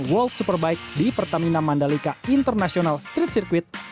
world superbike di pertamina mandalika international street circuit